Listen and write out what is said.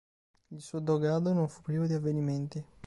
Il suo dogado non fu privo di avvenimenti.